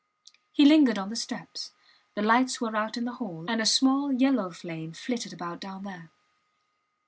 He lingered on the steps. The lights were out in the hall, and a small yellow flame flitted about down there.